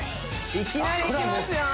いきなりきますよ